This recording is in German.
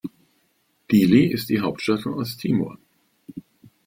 Dili ist die Hauptstadt von Osttimor.